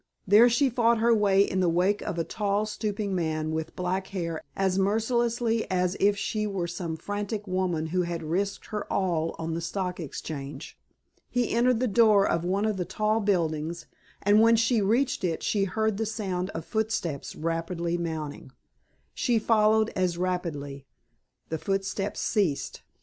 There she fought her way in the wake of a tall stooping man with black hair as mercilessly as if she were some frantic woman who had risked her all on the Stock Exchange. He entered the door of one of the tall buildings, and when she reached it she heard the sound of footsteps rapidly mounting. She followed as rapidly. The footsteps ceased.